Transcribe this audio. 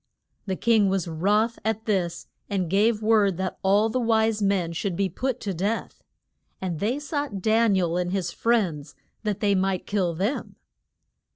The king was wroth at this and gave word that all the wise men should be put to death. And they sought Dan i el and his friends, that they might kill them.